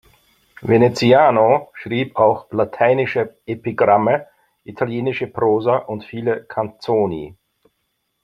Veneziano schrieb auch lateinische Epigramme, italienische Prosa und viele „canzoni“.